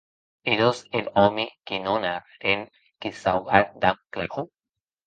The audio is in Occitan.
Erós er òme que non a arren que sauvar damb clau!